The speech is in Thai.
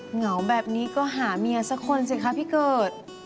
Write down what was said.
เหงาแบบนี้ก็หาเมียสักคนสิคะพี่เกิด